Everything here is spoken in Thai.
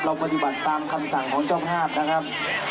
ปฏิบัติตามคำสั่งของเจ้าภาพนะครับ